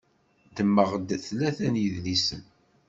Ddmeɣ-d tlata n yidlisen.